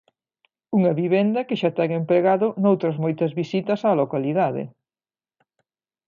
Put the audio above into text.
Unha vivenda que xa ten empregado noutras moitas visitas á localidade.